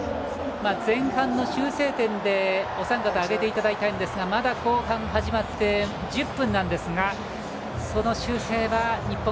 前半の修正点でお三方に挙げていただきましたがまだ後半が始まって１０分なんですがその修正は日本